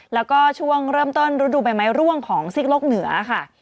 แล้วก็ช่วงเริ่มต้นฤดูใบไม้ร่วงของซีกโลกเหนือค่ะ